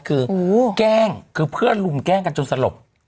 คือแกล้งคือเพื่อนลุมแกล้งกันจนสลบ